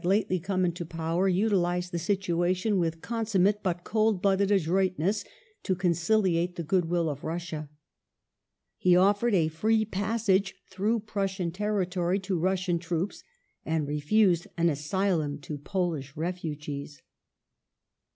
msurrec tion 1865] FOREIGN POLICY OF THE WHIGS 321 lately come into power, utilized the situation with consummate but cold blooded adroitness to conciliate the goodwill of Russia. He offered a free passage, through Prussian territory, to Russian troops, and refused an asylum to Polish refugees.